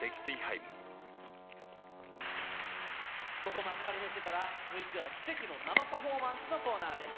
ここ、幕張メッセから、続いては奇跡の生パフォーマンスのコーナーです。